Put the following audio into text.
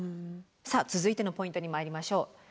さあ続いてのポイントにまいりましょう。